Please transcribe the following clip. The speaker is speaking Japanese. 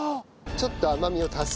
ちょっと甘みを足す？